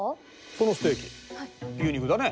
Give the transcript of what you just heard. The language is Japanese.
このステーキ牛肉だね。